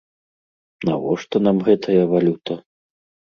Навошта нам гэтая валюта?